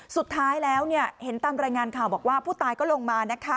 สุดท้ายแล้วเห็นตามรายงานข่าวบอกว่าผู้ตายก็ลงมานะคะ